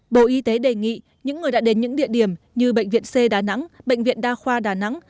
bộ y tế đề nghị những người đã đến những địa điểm như bệnh viện c đà nẵng bệnh viện đa khoa đà nẵng